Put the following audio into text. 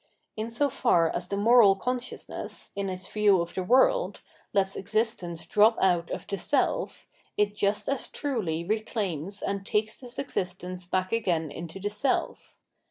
In so far as the moral consciousness, in its view of the world, lets existence drop out of the self, it just as truly reclaims and takes this existence back again into the self.